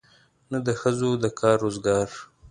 نه د ښځو د کار روزګار.